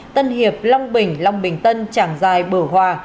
tân hiệp long bình long bình tân tràng giai bửa hòa